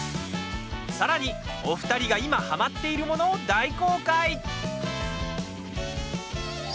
さらに、お二人が今はまっているものを大公開。